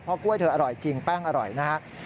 กล้วยเธออร่อยจริงแป้งอร่อยนะครับ